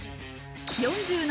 ４７